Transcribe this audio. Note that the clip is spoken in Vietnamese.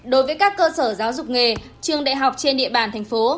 đối với các cơ sở giáo dục nghề trường đại học trên địa bàn thành phố